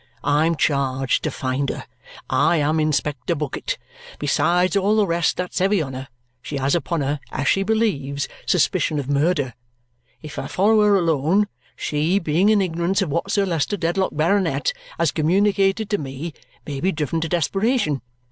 I am charged to find her. I am Inspector Bucket. Besides all the rest that's heavy on her, she has upon her, as she believes, suspicion of murder. If I follow her alone, she, being in ignorance of what Sir Leicester Dedlock, Baronet, has communicated to me, may be driven to desperation.